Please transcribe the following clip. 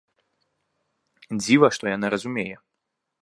Дзіва, што яна разумее.